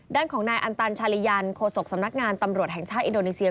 ด้านของนายอันตันชาลียันโฆษกสำนักงานตำรวจแห่งชาติอินโดนีเซีย